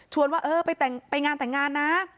ว่าเออไปงานแต่งงานนะ